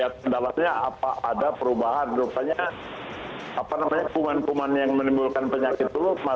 suruh bantu bantu bantu bantu lah gitu lah ya